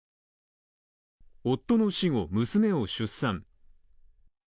夫の死後、娘を出産。